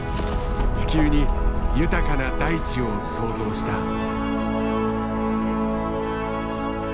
地球に豊かな大地を創造した。